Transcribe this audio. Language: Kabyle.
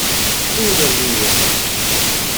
Ur riɣ